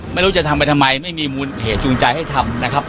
ไม่รู้จะทำไปทำไมไม่มีมูลเหตุจูงใจให้ทำนะครับ